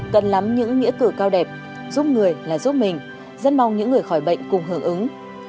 cần lắm những nghĩa cử cao đẹp giúp người là giúp mình rất mong những người khỏi bệnh cùng hưởng ứng